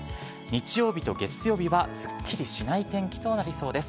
日曜日と月曜日はすっきりしない天気となりそうです。